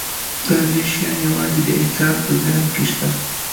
دا درې شیان یواځې د انسان په ذهن کې شته.